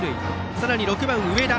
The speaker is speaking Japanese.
さらに６番、上田。